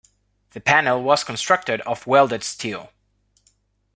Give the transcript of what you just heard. The panel was constructed of welded steel.